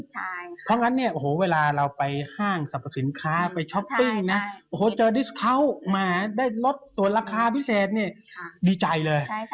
เพราะงั้นเวลาเราไปห้างสรรพสินค้าไปช็อปปิ้งโอ้โหเจอดิสเคลาส์มาได้ลดส่วนราคาพิเศษนี่ดีใจเลย